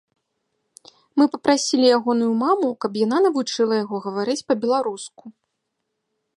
Мы папрасілі ягоную маму, каб яна навучыла яго гаварыць па-беларуску.